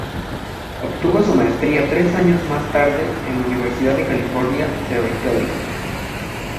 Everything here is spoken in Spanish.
Obtuvo su maestría tres años más tarde en la Universidad de California en Berkeley.